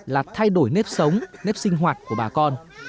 là thay đổi nếp sống nếp sinh hoạt của bà con